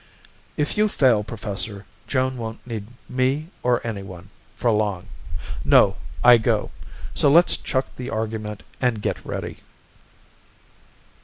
"If you fail, Professor, Joan won't need me or anyone, for long. No, I go. So let's chuck the argument and get ready."